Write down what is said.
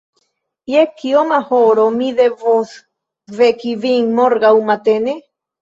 Je kioma horo mi devos veki vin morgaŭ matene?